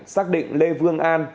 xác định lê vương an